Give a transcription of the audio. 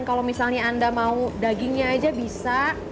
kalau misalnya anda mau dagingnya aja bisa